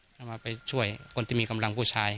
ถ้ามาไปช่วยคนที่มีกำลังผู้ชาย